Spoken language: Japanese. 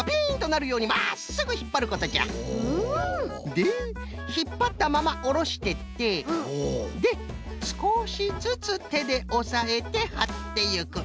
でひっぱったままおろしてってですこしずつてでおさえてはっていく。